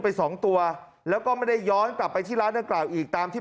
สองตัวแล้วก็ไม่ได้ย้อนกลับไปที่ร้านดังกล่าวอีกตามที่